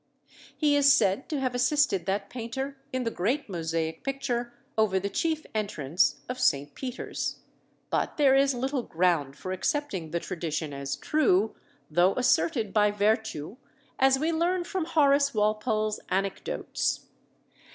He is said to have assisted that painter in the great mosaic picture over the chief entrance of St. Peter's. But there is little ground for accepting the tradition as true, though asserted by Vertue, as we learn from Horace Walpole's 'Anecdotes.